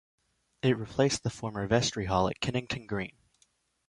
It replaced the former Vestry Hall at Kennington Green.